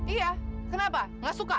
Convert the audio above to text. iya kenapa nggak suka